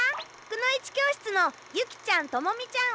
くの一教室のユキちゃんトモミちゃん